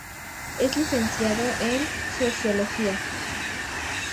Es licenciado en sociología.